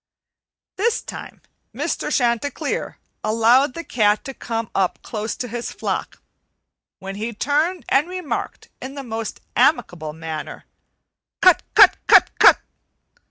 This time Mr. Chanticleer allowed the cat to come up close to his flock, when he turned and remarked in the most amicable manner, "Cut cut cut cut!"